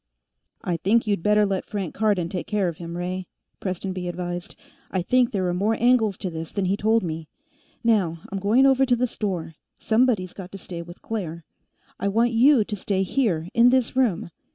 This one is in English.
"I think you'd better let Frank Cardon take care of him, Ray," Prestonby advised. "I think there are more angles to this than he told me. Now, I'm going over to the store. Somebody's got to stay with Claire. I want you to stay here, in this room.